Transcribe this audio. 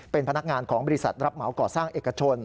เป็นพนักงานของบริษัทรับเหมาก่อสร้างเอกชน